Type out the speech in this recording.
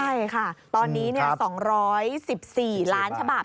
ใช่ค่ะตอนนี้๒๑๔ล้านฉบับ